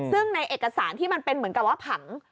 ซึ่งในเอกสารที่มันเป็นเหมือนกับว่าผัง